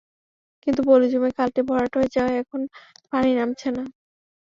কিন্তু পলি জমে খালটি ভরাট হয়ে যাওয়ায় এখন পানি নামছে না।